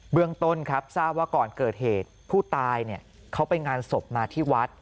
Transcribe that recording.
เรื่องต้นครับทราบว่าก่อนเกิดเหตุผู้ตายเขาไปงานศพมาที่วัด